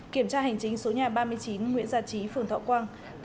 kiểm tra hành chính số nhà ba mươi chín nguyễn gia trí phường thọ quang